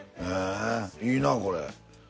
いいなこれ。